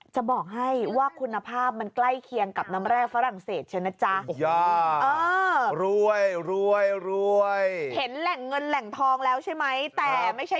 จะบอกให้ว่าคุณภาพมันใกล้เคียงกับน้ำแร่ฝรั่งเศสใช่ไหมจ๊ะ